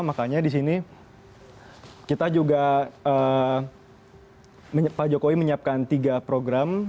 makanya di sini kita juga pak jokowi menyiapkan tiga program